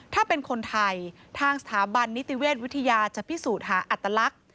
ถ้าเป็นคนไทยทางสถาบันนิติเวชวิทยาจะพิสูจน์หาอัตลักษณ์